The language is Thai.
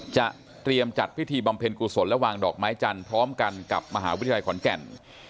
เตรียมจัดพิธีบำเพ็ญกุศลและวางดอกไม้จันทร์พร้อมกันกับมหาวิทยาลัยขอนแก่น